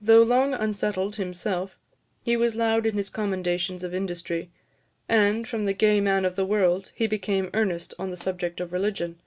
Though long unsettled himself, he was loud in his commendations of industry; and, from the gay man of the world, he became earnest on the subject of religion.